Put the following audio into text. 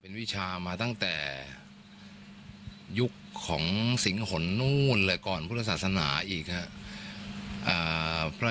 เป็นวิชามาตั้งแต่ยุคของสิงหนุนเลยก่อนพุทธศาสนาอีกฮะ